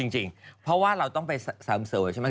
จริงเพราะว่าเราต้องไปเสริมสวยใช่ไหม